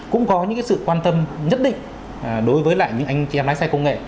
cũng có những sự quan tâm nhất định đối với lại những anh chị em lái xe công nghệ